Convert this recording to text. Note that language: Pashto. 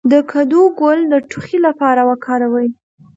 د کدو ګل د ټوخي لپاره وکاروئ